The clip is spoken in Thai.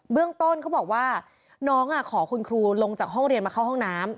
เรื่องต้นเขาบอกว่าน้องขอคุณครูลงจากห้องเรียนมาเข้าห้องน้ำ